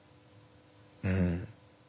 うん。